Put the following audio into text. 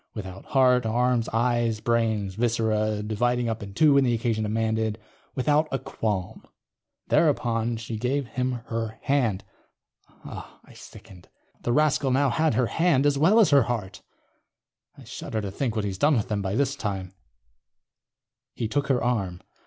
Without heart, arms, eyes, brains, viscera, dividing up in two when the occasion demanded. Without a qualm. ... thereupon she gave him her hand. I sickened. The rascal now had her hand, as well as her heart. I shudder to think what he's done with them, by this time. _... he took her arm.